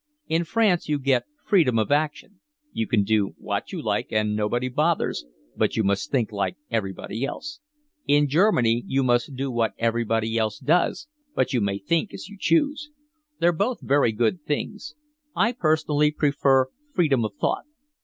In France you get freedom of action: you can do what you like and nobody bothers, but you must think like everybody else. In Germany you must do what everybody else does, but you may think as you choose. They're both very good things. I personally prefer freedom of thought.